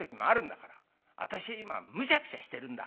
私今むしゃくしゃしてるんだ」。